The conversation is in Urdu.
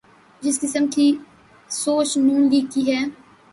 جس قسم کی سوچ ن لیگ کی ہے۔